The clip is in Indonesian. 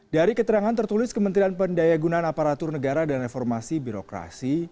dari keterangan tertulis kementerian pendaya gunaan aparatur negara dan reformasi birokrasi